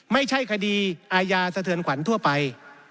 ไม่ใช่คดีอาญาสะเทือนขวัญทั่วไป